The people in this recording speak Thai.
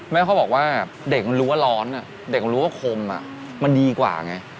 เขาบอกว่าเด็กมันรู้ว่าร้อนเด็กรู้ว่าคมมันดีกว่าไง